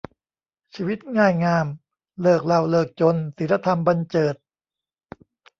ชีวิตง่ายงาม เลิกเหล้าเลิกจน ศีลธรรมบรรเจิด